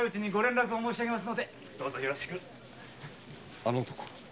あの男か？